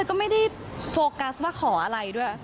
ก็ไม่ได้โฟกัสว่าขออะไรด้วย